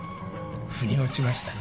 腑に落ちましたね